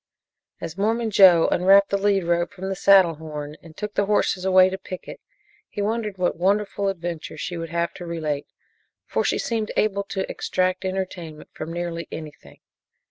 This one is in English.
As Mormon Joe unwrapped the lead rope from the saddle horn and took the horses away to picket, he wondered what wonderful adventure she would have to relate, for she seemed able to extract entertainment from nearly anything.